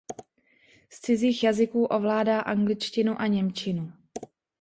Z cizích jazyků ovládá angličtinu a němčinu.